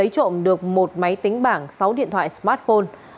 trộm được một máy tính bảng sáu điện thoại smartphone